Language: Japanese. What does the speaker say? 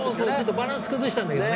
バランス崩したんだけどね。